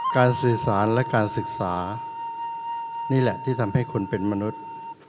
สื่อสารและการศึกษานี่แหละที่ทำให้คนเป็นมนุษย์